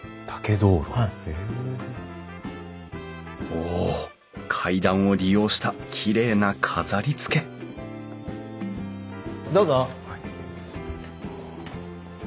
お階段を利用したきれいな飾りつけどうぞ。